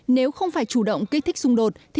nếu không phải chủ động kích thích xung đột